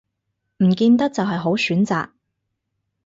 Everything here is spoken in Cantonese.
唔見得就係好選擇